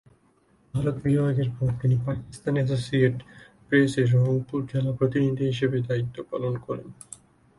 ভারত বিভাগের পর তিনি পাকিস্তান অ্যাসোসিয়েটেড প্রেসের রংপুর জেলা প্রতিনিধি হিসেবে দায়িত্ব পালন করেন।